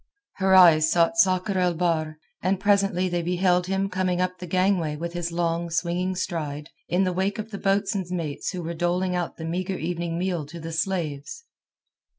Her eyes sought Sakr el Bahr, and presently they beheld him coming up the gangway with his long, swinging stride, in the wake of the boat swain's mates who were doling out the meagre evening meal to the slaves.